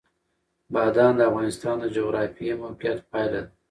بادام د افغانستان د جغرافیایي موقیعت پایله ده.